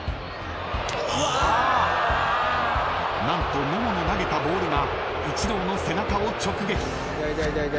［何と野茂の投げたボールがイチローの背中を直撃］